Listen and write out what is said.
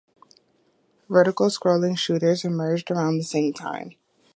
Vertical scrolling shooters emerged around the same time.